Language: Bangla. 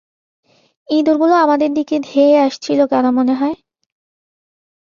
ইঁদুরগুলো আমাদের দিকে ধেঁয়ে আসছিল কেন মনে হয়?